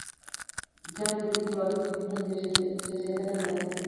جګړه د بې سواده ذهنونو زیږنده ده